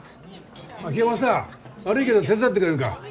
清正悪いけど手伝ってくれるか。